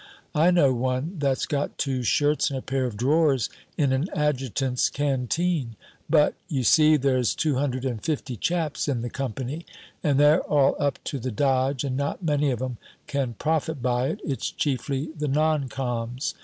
I know one that's got two shirts and a pair of drawers in an adjutant's canteen [note 2] but, you see, there's two hundred and fifty chaps in the company, and they're all up to the dodge and not many of 'em can profit by it; it's chiefly the non coms.